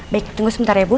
baik tunggu sebentar ya bu